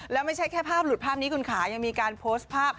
แล้วไม่ใช่แค่ภาพหลุดภาพนี้คุณขายังมีการโพสต์ภาพ